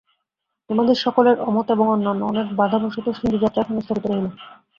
তোমাদের সকলের অমত এবং অন্যান্য অনেক বাধাবশত সিন্ধুযাত্রা এখন স্থগিত রহিল।